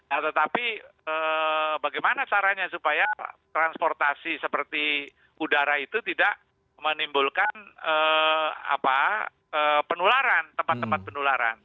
nah tetapi bagaimana caranya supaya transportasi seperti udara itu tidak menimbulkan penularan tempat tempat penularan